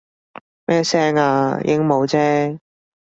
咩聲啊？鸚鵡啫